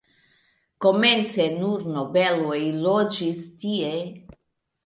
Komence nur nobeloj loĝis tie.